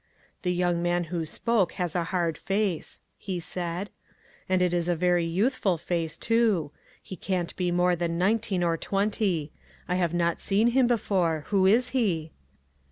" The young man who spoke has . a hard face," he said, "and it is a very youthful face, too. He can't be more than nineteen or twenty. I have not seen him before. Who is he?"